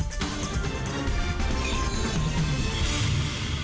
terima kasih pak fidal